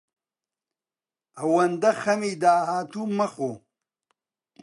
ئەوەندە خەمی داهاتوو مەخۆ.